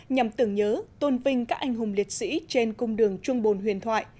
nhằm tưởng nhớ tôn vinh các anh hùng liệt sĩ trên cung đường trung bồn huyền thoại